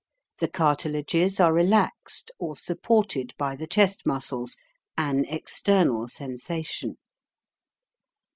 The cartilages are relaxed or supported by the chest muscles, an external sensation.